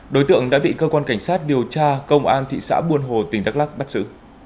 đối tượng đã bị cơ quan cảnh sát điều tra công an thị xã buôn hồ tỉnh đắk lắc bắt giữ